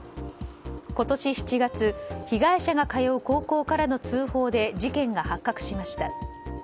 今年７月被害者が通う高校からの通報で事件が発覚しました。